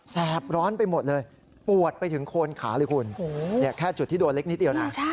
แบร้อนไปหมดเลยปวดไปถึงโคนขาเลยคุณแค่จุดที่โดนเล็กนิดเดียวนะ